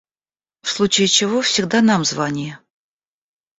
В случае чего всегда нам звони.